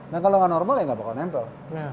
nah kalau enggak normal ya enggak bakal nempel